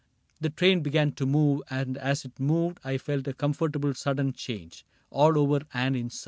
The train began to move ; and as it moved, I felt a comfortable sudden change All over and inside.